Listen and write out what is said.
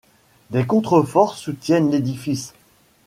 Des contreforts soutiennent l'édifice.